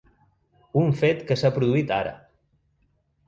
Un fet que s’ha produït ara.